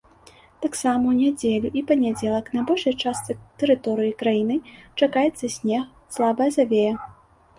Таксама ў нядзелю і панядзелак на большай частцы тэрыторыі краіны чакаецца снег, слабая завея.